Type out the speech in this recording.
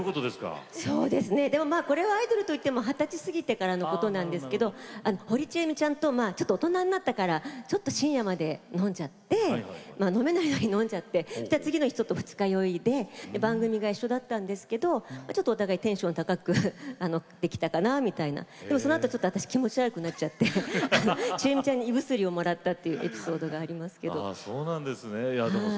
アイドルといっても二十歳過ぎてからのことなんですが堀ちえみちゃんと大人になったからちょっと深夜まで飲んじゃって飲めないのに飲んじゃって次の日、二日酔いで番組が一緒だったんですけれどもお互いテンション高くできたかなみたいなそのあと気持ち悪くなっちゃってちえみちゃんに胃薬をもらったエピソードがありますけれども。